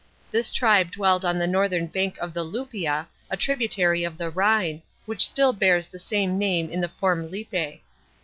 This tribe dwelled on the northern bank of the Luppia, a tributary of the Rhine, which still bears the same name in the form Lippe.